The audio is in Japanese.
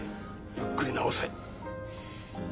ゆっくり治せ。